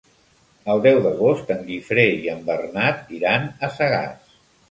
El deu d'agost en Guifré i en Bernat iran a Sagàs.